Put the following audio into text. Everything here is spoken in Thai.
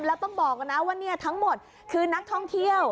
แล้วต้องบอกนะว่าทั้งหมดคือนักท่องเที่ยว